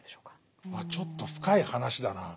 ちょっと深い話だなあ。